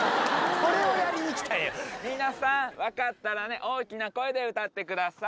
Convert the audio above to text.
これをやりに来たんや皆さん分かったらね大きな声で歌ってください